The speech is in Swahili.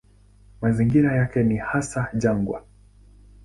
Mazingira yake ni hasa jangwa.